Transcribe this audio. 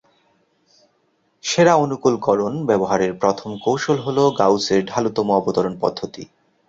সেরা-অনুকূলকরণ ব্যবহারের প্রথম কৌশল হল গাউসের ঢালুতম-অবতরণ পদ্ধতি।